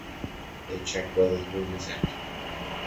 They checked whether the room was empty.